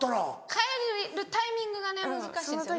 帰るタイミングが難しいんですよ。